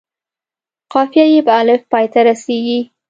قافیه یې په الف پای ته رسيږي.